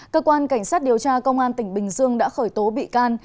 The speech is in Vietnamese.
cơ quan cảnh sát điều tra công an tỉnh bình dương đã khởi tố bị can